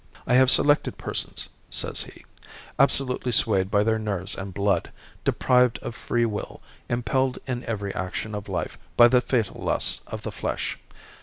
"I have selected persons," says he, "absolutely swayed by their nerves and blood, deprived of free will, impelled in every action of life, by the fatal lusts of the flesh.